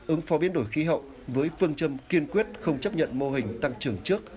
ứng phó biến đổi khí hậu với phương châm kiên quyết không chấp nhận mô hình tăng trưởng trước